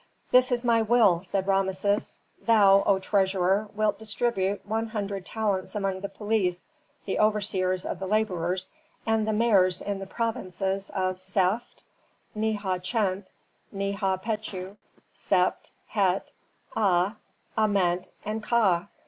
"This is my will," said Rameses. "Thou, O treasurer, wilt distribute one hundred talents among the police, the overseers of the laborers, and the mayors in the provinces of Seft, Neha Chent, Neha Pechu, Sebt Het, Aa, Ament, and Ka.